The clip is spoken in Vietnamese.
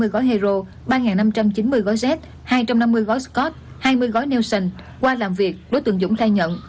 hai năm trăm bảy mươi gói hero ba năm trăm chín mươi gói z hai trăm năm mươi gói scott hai mươi gói nelson qua làm việc đối tượng dũng thay nhận